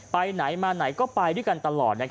ไปไหนมาไหนก็ไปด้วยกันตลอด